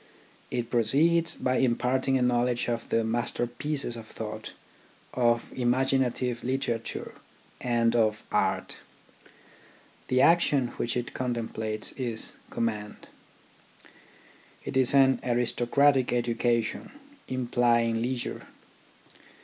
It proceeds by imparting a knowledge of the master pieces of thought, of imaginative literature, and of art. The action which it contemplates is command. It is an aristocratic education implying leisure.